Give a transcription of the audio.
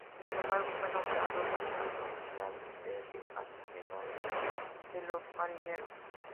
Sin embargo, fue nombrado Lanzador del Año de Ligas Menores de los Marineros.